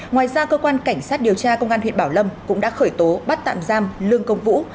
ngoài ra cơ quan cảnh sát điều tra công an huyện bảo lâm cũng đã khởi tố bắt tạm giam lương công vũ